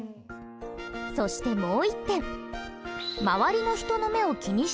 そしてもう一点。